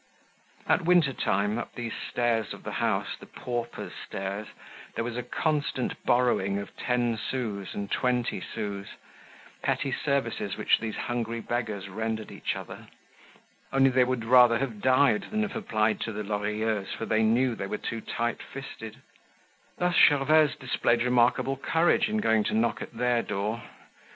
At winter time, up these stairs of the house, the paupers' stairs, there was a constant borrowing of ten sous and twenty sous, petty services which these hungry beggars rendered each other. Only they would rather have died than have applied to the Lorilleuxs, for they knew they were too tight fisted. Thus Gervaise displayed remarkable courage in going to knock at their door.